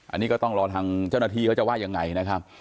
อันนี้ก็ต้องรอทางเจ้าหน้าที่เขาจะว่ายังไงนะครับ